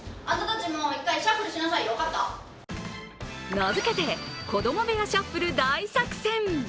名付けて、子供部屋シャッフル大作戦。